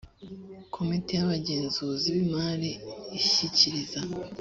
komite y abagenzuzi b imari ishyikiriza